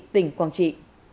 tỉnh quảng trị